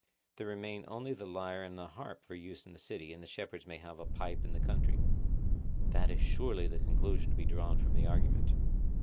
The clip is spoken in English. There remain then only the lyre and the harp for use in the city, and the shepherds may have a pipe in the country. That is surely the conclusion to be drawn from the argument.